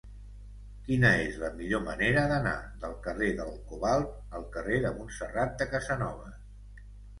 Quina és la millor manera d'anar del carrer del Cobalt al carrer de Montserrat de Casanovas?